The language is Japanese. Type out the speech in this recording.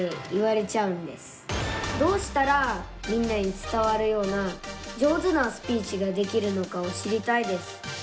どうしたらみんなに伝わるような上手なスピーチができるのかを知りたいです。